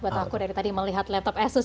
buat aku dari tadi melihat laptop asus